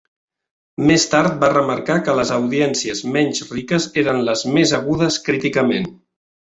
Més tard va remarcar que les audiències menys riques eren les més "agudes críticament".